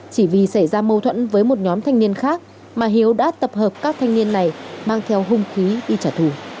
chỉ vì xảy ra mâu thuẫn với một nhóm thanh niên khác mà hiếu đã tập hợp các thanh niên này mang theo hung khí đi trả thù